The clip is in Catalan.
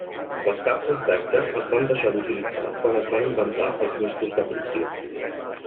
Les capses d'esca es van deixar d'utilitzar quan es van inventar els mistos de fricció.